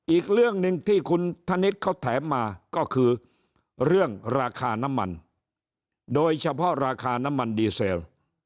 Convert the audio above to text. อีกเรื่องหนึ่งที่คุณธนิษฐ์เขาแถมมาก็คือเรื่องราคาน้ำมันโดยเฉพาะราคาน้ำมันดีเซล